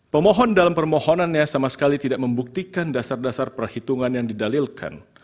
pemohon dalam permohonannya sama sekali tidak membuktikan dasar dasar perhitungan yang didalilkan